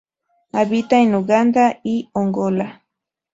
Habita en Uganda y Angola.